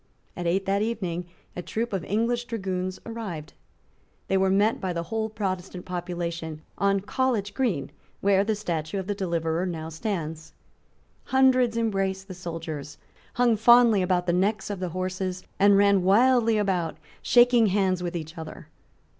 At eight that evening a troop of English dragoons arrived. They were met by the whole Protestant population on College Green, where the statue of the deliverer now stands. Hundreds embraced the soldiers, hung fondly about the necks of the horses, and ran wildly about, shaking hands with each other.